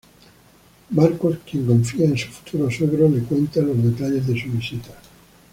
Marcos quien confía en su futuro suegro, le cuenta los detalles de su visita.